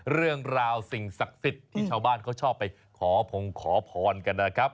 เรื่องราวสิ่งศักดิ์สิทธิ์ที่ชาวบ้านเขาชอบไปขอพงขอพรกันนะครับ